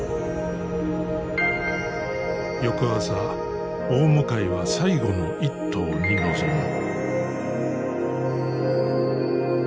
翌朝大向は最後の一頭に臨む。